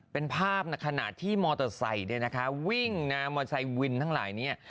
เป็นภาพในขณะถึงวิ่งรถมาศวินทางหลาย